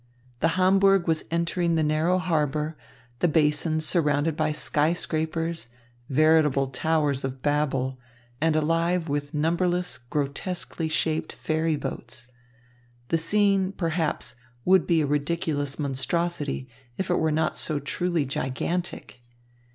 The Hamburg was entering the narrow harbour, the basin surrounded by skyscrapers, veritable towers of Babel, and alive with numberless grotesquely shaped ferry boats. The scene, perhaps, would be a ridiculous monstrosity, were it not so truly gigantic.